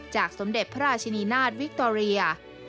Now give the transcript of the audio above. จากสมเด็จพระอาชินินาทวิคตอเรีย